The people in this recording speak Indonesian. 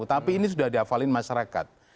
tapi ini sudah dihafalin masyarakat